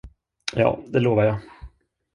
Ja, det lovar jag.